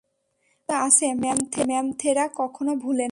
প্রচলিত আছে, ম্যামথেরা কখনো ভুলে না।